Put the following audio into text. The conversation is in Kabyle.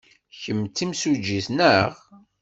Kemm d timsujjit, naɣ?